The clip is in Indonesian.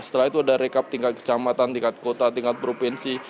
setelah itu ada rekap tingkat kecamatan tingkat kota tingkat provinsi